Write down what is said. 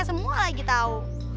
semua lagi tau